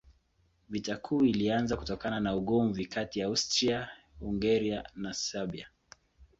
Vita Kuu ilianza kutokana na ugomvi kati ya Austria-Hungaria na Serbia.